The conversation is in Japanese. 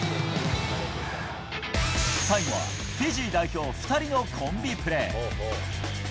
最後はフィジー代表２人のコンビプレー。